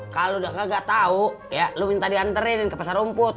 kalau nggak tahu ya lo minta diantarin ke pasar rumput